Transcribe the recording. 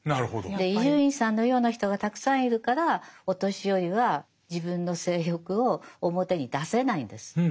で伊集院さんのような人がたくさんいるからお年寄りは自分の性欲を表に出せないんです。